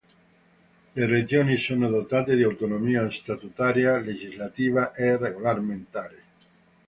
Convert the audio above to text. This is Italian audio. Le regioni sono dotate di autonomia statutaria, legislativa e regolamentare.